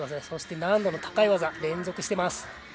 そして難度の高い技を連続しています。